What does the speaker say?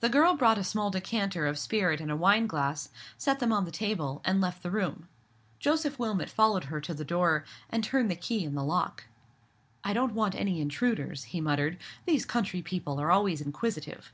The girl brought a small decanter of spirit and a wine glass, set them on the table, and left the room. Joseph Wilmot followed her to the door, and turned the key in the lock. "I don't want any intruders," he muttered; "these country people are always inquisitive."